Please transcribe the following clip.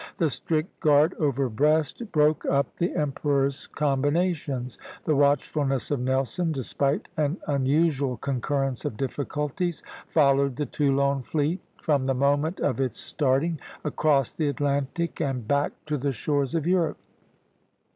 The strict guard over Brest broke up the emperor's combinations; the watchfulness of Nelson, despite an unusual concurrence of difficulties, followed the Toulon fleet, from the moment of its starting, across the Atlantic and back to the shores of Europe.